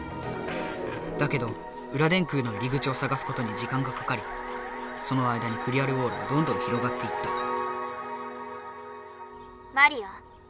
だけど裏電空の入り口をさがすことに時間がかかりその間にクリアルウォールはどんどん広がっていったマリア。